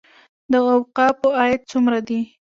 د اوقافو عاید څومره دی؟